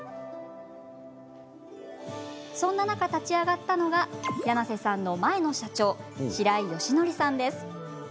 そんな中、立ち上がったのが柳瀬さんの前の社長白井嘉則さんです。